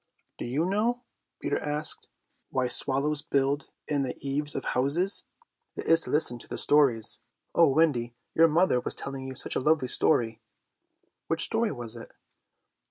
"Do you know," Peter asked "why swallows build in the eaves of houses? It is to listen to the stories. O Wendy, your mother was telling you such a lovely story." "Which story was it?"